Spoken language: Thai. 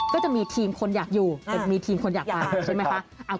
ก็จะมีทีมคนอยากอยู่แต่มีทีมคนอยากมาใช่ไหมคะ